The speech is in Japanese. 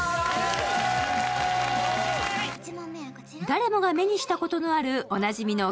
誰もが目にしたことのあるおなじみの